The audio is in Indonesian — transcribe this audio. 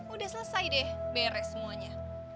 udah selesai deh beres semuanya